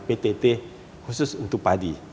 ptt khusus untuk padi